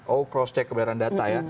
oh cross check kebenaran data ya